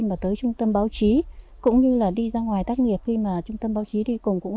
mà tới trung tâm báo chí cũng như là đi ra ngoài tác nghiệp khi mà trung tâm báo chí đi cùng cũng